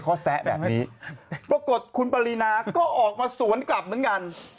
เขาแซะแบบนี้ปรากฏคุณปรินาก็ออกมาสวนกลับเหมือนกัน